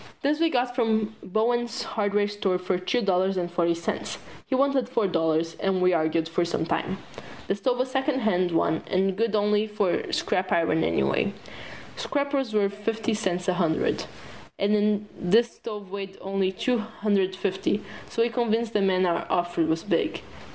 This we got from Bowen's hardware store for two dollars and forty cents. He wanted four dollars, and we argued for some time. The stove was a secondhand one and good only for scrap iron anyway. Scrap was worth fifty cents a hundred, and this stove weighed only two hundred fifty, so we convinced the man our offer was big.